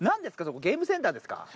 そこ、ゲームセンターですか？